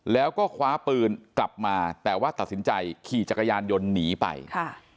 แล้วก็คว้าปืนกลับมาแต่ว่าตัดสินใจขี่จักรยานยนต์หนีไปค่ะ